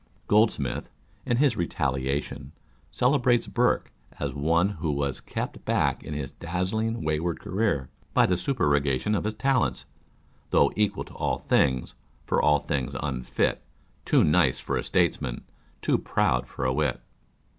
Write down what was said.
Gold smith, in his Retaliation, celebrates Burke as one who to Success in Life. 277 â€¢was kept back in his dazzling, wayward career, by the supererogation of his talents Though equal to all things, for all things unfit, Too nice for a statesman, too proud for a wit.